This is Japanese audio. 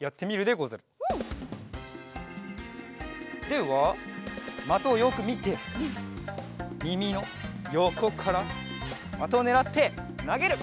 ではまとをよくみてみみのよこからまとをねらってなげる！